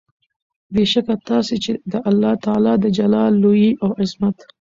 بې شکه تاسي چې د الله تعالی د جلال، لوئي او عظمت